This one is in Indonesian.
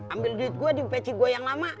ambil duit gue di peci gue yang lama